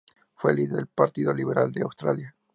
Fue el líder del Partido Liberal de Australia.